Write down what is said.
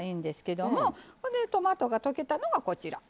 トマトが溶けたのがこちら。